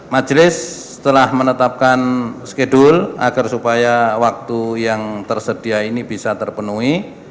majelis telah menetapkan skedul agar supaya waktu yang tersedia ini bisa terpenuhi